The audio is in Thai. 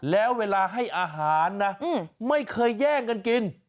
แล้วเวลาให้อาหารนะไม่เคยแย่งกันกิน